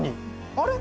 あれ？